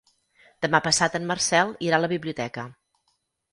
Demà passat en Marcel irà a la biblioteca.